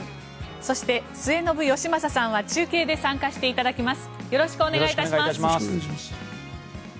そして、末延吉正さんは中継で参加していただきます。